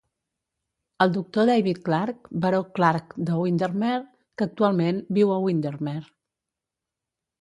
El doctor David Clark, baró Clark de Windermere, que actualment viu a Windermere.